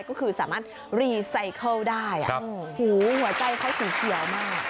ก็คือสามารถรีไซเคิลได้หูหัวใจเขาสีเขียวมาก